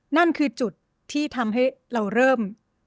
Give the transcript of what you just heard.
นั่นคือจุดที่ทำให้เราเริ่ม